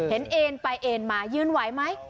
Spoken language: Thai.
เอ็นไปเอ็นมายืนไหวไหม